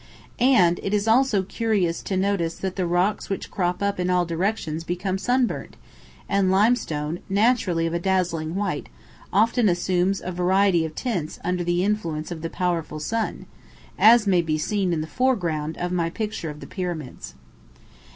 And it is also curious to notice that the rocks which crop up in all directions become sunburnt, and limestone, naturally of a dazzling white, often assumes a variety of tints under the influence of the powerful sun, as may be seen in the foreground of my picture of the pyramids.